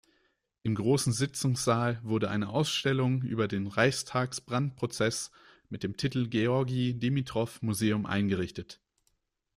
Im "Großen Sitzungssaal" wurde eine Ausstellung über den Reichstagsbrandprozess mit dem Titel „Georgi-Dimitroff-Museum“ eingerichtet.